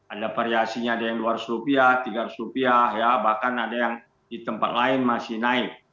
ada variasinya ada yang dua ratus rupiah tiga ratus rupiah bahkan ada yang di tempat lain masih naik